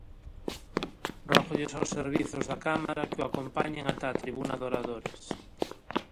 Rógolles aos servizos da Cámara que o acompañen ata a tribuna de oradores.